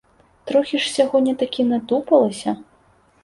Трохі ж сягоння такі натупалася.